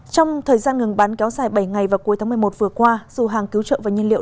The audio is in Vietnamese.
trong thời gian ngừng bắn kéo dài bảy ngày vào cuối tháng một mươi một vừa qua dù hàng cứu trợ và nhiên liệu